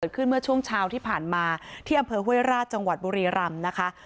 เมื่อช่วงเช้าที่ผ่านมาที่อำเภอห้วยราชจังหวัดบุรีรำนะคะ